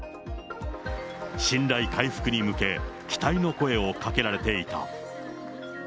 信頼回復に向け、期待の声をかけられていた。